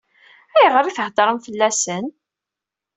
Ayɣer i theddṛem fell-asen?